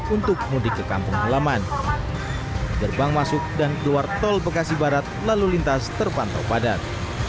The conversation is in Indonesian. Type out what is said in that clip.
untuk mudik ke kampung halaman gerbang masuk dan keluar tol bekasi barat lalu lintas terpantau padat